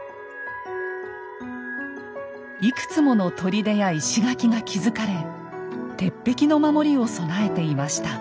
いくつもの砦や石垣が築かれ鉄壁の守りを備えていました。